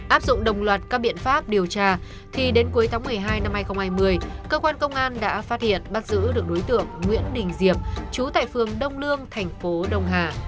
áp dụng đồng loạt các biện pháp điều tra thì đến cuối tháng một mươi hai năm hai nghìn hai mươi cơ quan công an đã phát hiện bắt giữ được đối tượng nguyễn đình diệp trú tại phường đông lương thành phố đông hà